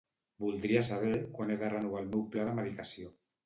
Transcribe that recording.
Voldria saber quan he de renovar el meu pla de medicació.